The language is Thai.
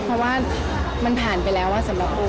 เพราะว่ามันผ่านไปแล้วสำหรับโอ